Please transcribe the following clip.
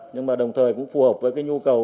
nhưng mà đồng thời cũng phù hợp với cái nhu cầu